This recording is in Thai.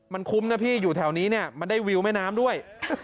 มันคุ้มนะพี่อยู่แถวนี้เนี่ยมันได้วิวแม่น้ำด้วย